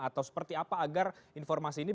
atau seperti apa agar informasi ini